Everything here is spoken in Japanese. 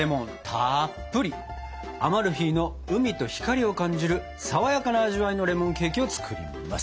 アマルフィの海と光を感じるさわやかな味わいのレモンケーキを作ります！